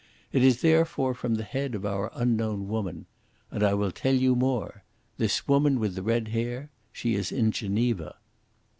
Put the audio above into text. It is therefore from the head of our unknown woman. And I will tell you more. This woman with the red hair she is in Geneva."